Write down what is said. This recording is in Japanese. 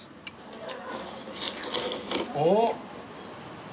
おっ！